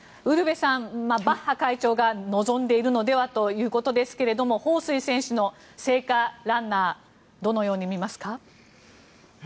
ウルヴェさん、バッハ会長が望んでいるのではということですがホウ・スイ選手の聖火ランナーどのように見ますか。